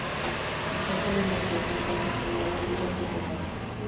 Se trata de un enfoque, entonces, con varias líneas de relato.